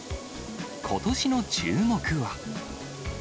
ことしの注目は。